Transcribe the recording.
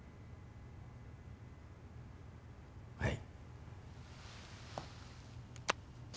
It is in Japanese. はい。